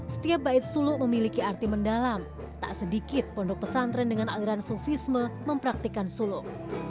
setiap bait suluk memiliki arti mendalam tak sedikit pondok pesantren dengan aliran sufisme mempraktikan suluk